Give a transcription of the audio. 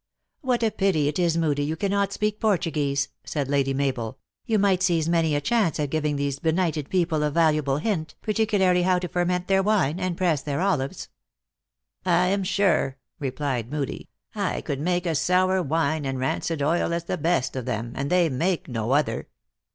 " What a pity it is, Moodie, you cannot speak Por tuguese," said Lady Mabel; "you might seize many a chance of giving these benighted people a valuable hint, particularly how to ferment their wine, and press their olives." "I am sure," replied Moodie, "I could make as sour wine and rancid oil as the best of them, and they make no other."